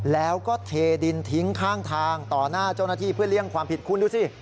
แล้วก็เทดินทิ้งข้างทางต่อหน้าเจ้าหน้าที่เพื่อเลี่ยงความผิดคุณดูสิ